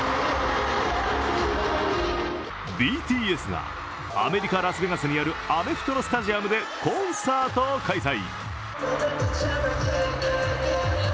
ＢＴＳがアメリカ・ラスベガスにあるアメフトのスタジアムでコンサートを開催。